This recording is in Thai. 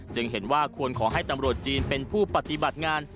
เห็นว่าควรขอให้ตำรวจจีนเป็นผู้ปฏิบัติงาน